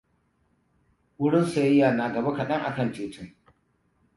Wurin sayayya na gaba kadan akan titin.